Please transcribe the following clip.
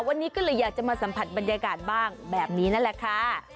วันนี้ก็เลยอยากจะมาสัมผัสบรรยากาศบ้างแบบนี้นั่นแหละค่ะ